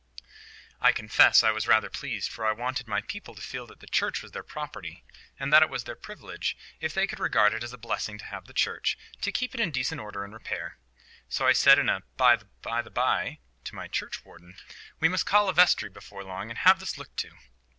I confess I was rather pleased; for I wanted my people to feel that the church was their property, and that it was their privilege, if they could regard it as a blessing to have the church, to keep it in decent order and repair. So I said, in a by the by way, to my churchwarden, "We must call a vestry before long, and have this looked to."